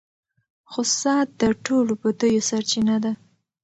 غصه د ټولو بدیو سرچینه ده.